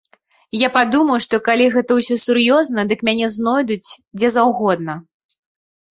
Я падумаў, што калі гэта ўсё сур'ёзна, дык мяне знойдуць дзе заўгодна.